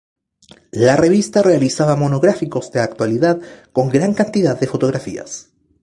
La revista realizaba monográficos de actualidad con gran cantidad de fotografías.